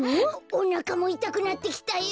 おなかもいたくなってきたよ。